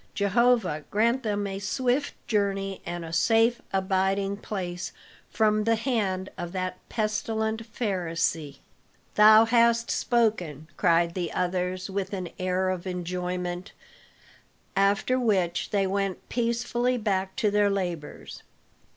Jehovah grant them a swift journey and a safe abiding place from the hand of that pestilent Pharisee." "Thou hast spoken!" cried the others with an air of enjoyment, after which they went peacefully back to their labors.